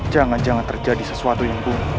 jangan jangan terjadi sesuatu yang umum